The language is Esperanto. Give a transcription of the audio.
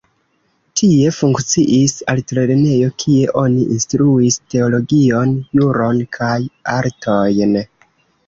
Tie funkciis altlernejo, kie oni instruis teologion, juron kaj artojn.